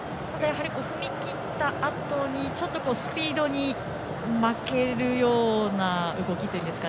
踏み切ったあとにちょっとスピードに負けるような動きというか。